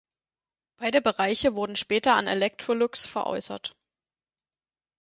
Beide Bereiche wurden später an Electrolux veräußert.